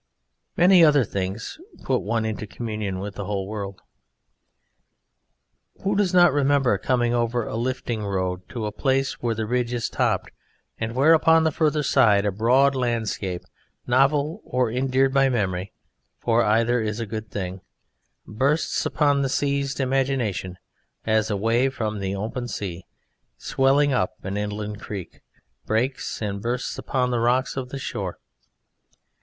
Many other things put one into communion with the whole world. Who does not remember coming over a lifting road to a place where the ridge is topped, and where, upon the further side, a broad landscape, novel or endeared by memory (for either is a good thing), bursts upon the seized imagination as a wave from the open sea, swelling up an inland creek, breaks and bursts upon the rocks of the shore?